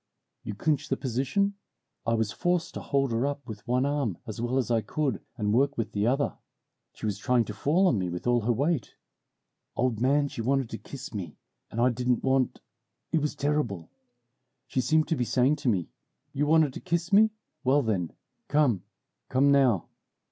"You clinch the position? I was forced to hold her up with one arm as well as I could, and work with the other. She was trying to fall on me with all her weight. Old man, she wanted to kiss me, and I didn't want it was terrible. She seemed to be saying to me, 'You wanted to kiss me, well then, come, come now!'